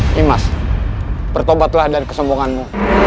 nyimas bertobatlah dari kesombonganmu